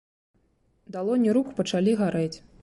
Далоні рук пачалі гарэць.